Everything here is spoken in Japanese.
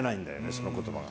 その言葉が。